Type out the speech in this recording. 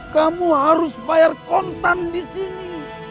kamu harus bayar kontang disini